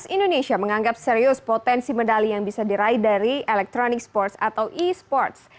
indonesia menganggap serius potensi medali yang bisa diraih dari electronic sports atau e sports